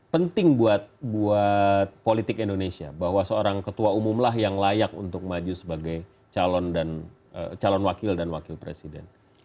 penting buat politik indonesia bahwa seorang ketua umumlah yang layak untuk maju sebagai calon wakil dan wakil presiden